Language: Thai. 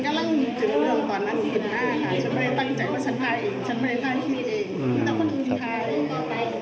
ฉันไม่ได้ถ่ายคิดเอง